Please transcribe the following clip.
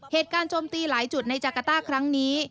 เหตุการโจมตีหลายจุดในจากาต้าครั้งนี้